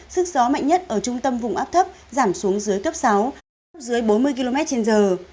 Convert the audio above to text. sức gió mạnh nhất ở trung tâm vùng áp thấp giảm xuống dưới cấp sáu thấp dưới bốn mươi km trên giờ